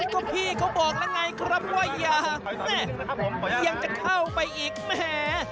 ก็พี่เขาบอกแล้วไงครับว่าอย่าแม่ยังจะเข้าไปอีกแหม